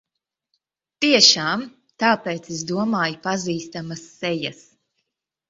Tiešām! Tāpēc es domāju pazīstamas sejas.